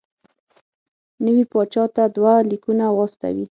نوي پاچا ته دوه لیکونه واستوي.